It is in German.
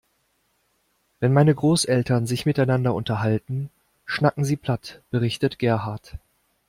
Wenn meine Großeltern sich miteinander unterhalten, schnacken sie platt, berichtet Gerhard.